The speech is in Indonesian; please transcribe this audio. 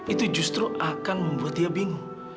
itu justru akan membuat dia bingung